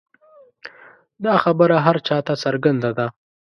دا خبره هر چا ته څرګنده ده.